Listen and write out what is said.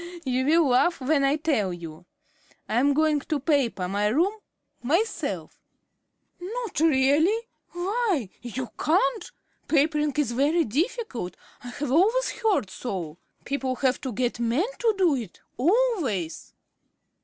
"You will laugh when I tell you. I'm going to paper my room myself." "Not really! Why, you can't. Papering is very difficult; I have always heard so. People have to get men to do it, always."